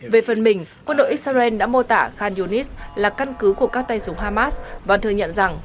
về phần mình quân đội israel đã mô tả khan yunis là căn cứ của các tay súng hamas và thừa nhận rằng